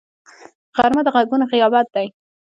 غرمه د غږونو غیابت دی